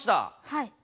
はい。